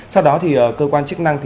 sau đó thì cơ quan chức năng